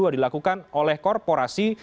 dilakukan oleh korporasi